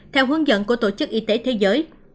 theo hướng dẫn của tổ chức y tế thế giới